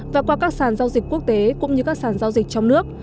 và qua các sàn giao dịch quốc tế cũng như các sản giao dịch trong nước